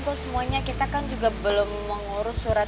kamu ya jadi kita bisa bersama lagi semua